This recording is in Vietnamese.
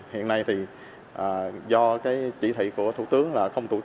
hiện nay thì do chỉ thị của thủ tướng là không tụ tập